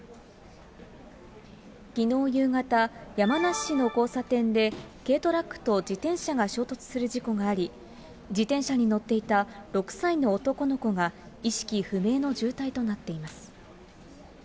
きのう夕方、山梨市の交差点で、軽トラックと自転車が衝突する事故があり、自転車に乗っていた６歳の男の子が意識不明の重体となっています。